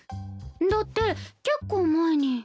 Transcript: だって結構前に。